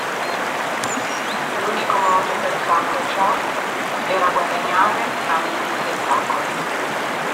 L'unico modo per farlo ciò era guadagnare tramite gli spettacoli.